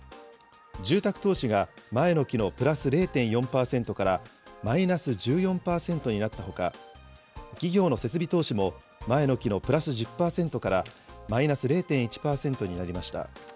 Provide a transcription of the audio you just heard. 住宅投資が前の期のプラス０．４％からマイナス１４％になったほか、企業の設備投資も前の期のプラス１０％からマイナス０．１％になりました。